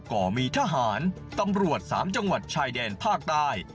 ่อมีทหารตำรวจ๓จังหวัดชายแดนภาคใต้